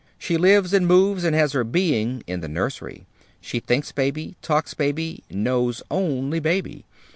She lives and moves and has her being in the nursery. She thinks baby, talks baby, knows only baby.